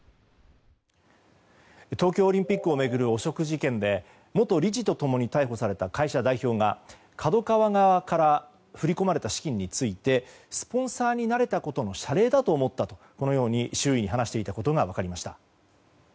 東京オリンピックを巡る汚職事件で元理事と共に逮捕された会社代表がＫＡＤＯＫＡＷＡ側から振り込まれた資金についてスポンサーになれたことへの謝礼だと思ったとこのように周囲に話していたことが分かりました。